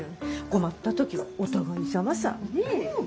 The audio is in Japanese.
困った時はお互いさまさぁねぇ。